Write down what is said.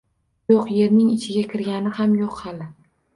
Yo‘q, yerning ichiga kirgani ham yo‘q hali.